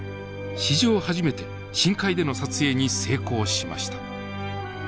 史上初めて深海での撮影に成功しました。